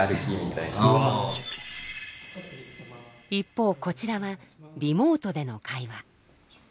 一方こちらはリモートでの会話。